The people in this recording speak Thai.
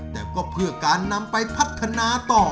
แต่ก็เพื่อการนำไปพัฒนาต่อ